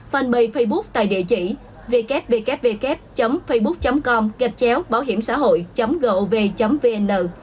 phần bày facebook tại địa chỉ www facebook com baohiemxahoi gov vn